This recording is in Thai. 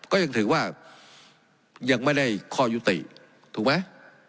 ก็ยังถือว่ายังไม่ได้ข้อยุติถูกไหม